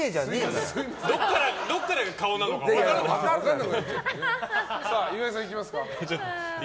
どこからが顔なのか分からない。